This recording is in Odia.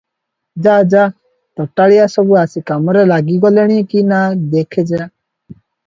ଯା ଯା, ତୋଟାଳିଆ ସବୁ ଆସି କାମରେ ଲାଗିଗଲେଣି କି ନା, ଦେଖ ଯା ।"